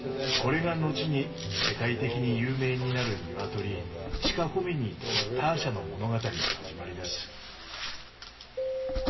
これが後に世界的に有名になるニワトリチカホミニーとターシャの物語の始まりです。